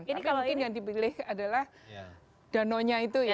tapi mungkin yang dipilih adalah danau nya itu ya